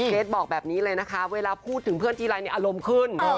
ทบอกแบบนี้เลยนะคะเวลาพูดถึงเพื่อนทีไรเนี่ยอารมณ์ขึ้น